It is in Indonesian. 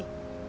dengan cara apa